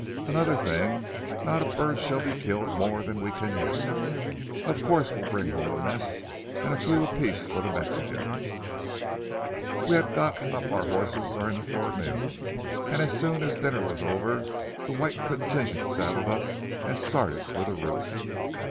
And another thing, not a bird shall be killed more than we can use. Of course we'll bring home a mess, and a few apiece for the Mexicans." We had got up our horses during the forenoon, and as soon as dinner was over the white contingent saddled up and started for the roost.